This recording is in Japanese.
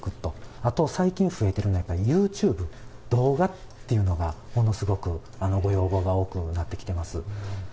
あと、最近増えているのは、ユーチューブ、動画っていうのが、ものすごくご要望が多くなってきています。